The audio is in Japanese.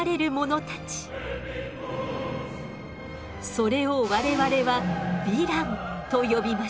それを我々は「ヴィラン」と呼びます。